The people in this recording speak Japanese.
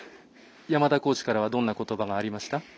山田コーチからはどんなことばがありました？